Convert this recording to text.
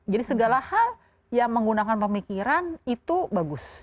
jadi segala hal yang menggunakan pemikiran itu bagus